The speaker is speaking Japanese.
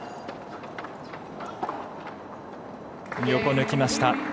横を抜きました。